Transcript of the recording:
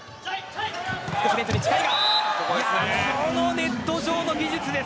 ネット上の技術です。